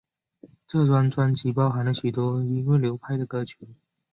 这张专辑包含了许多音乐流派的歌曲。